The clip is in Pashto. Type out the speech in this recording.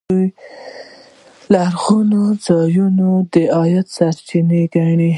دوی لرغوني ځایونه د عاید سرچینه ګڼي.